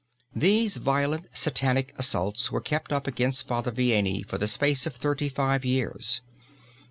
These violent satanic assaults were kept up against Father Vianney for the space of thirty five years.